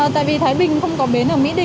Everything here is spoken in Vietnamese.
tại vì thái bình không có bến ở mỹ đi